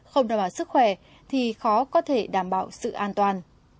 không đảm bảo sức khỏe thì khó có thể đảm bảo sự an toàn